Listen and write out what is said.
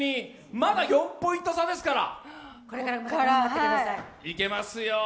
まだ４ポイント差ですから、いけますよ。